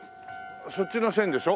そっちの線でしょ？